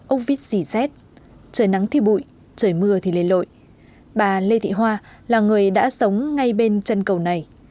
úc vít dì xét trời nắng thì bụi trời mưa thì lê lội bà lê thị hoa là người đã sống ngay bên chân cầu này